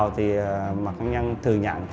và họ là một trong những lựa chọn thể